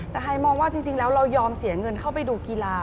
แต่ไฮมองว่าจริงแล้วเรายอมเสียเงินเข้าไปดูกีฬา